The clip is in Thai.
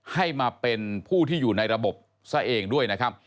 ให้มาเป็นผู้ที่อยู่ในระบบซะเองด้วยนะครับ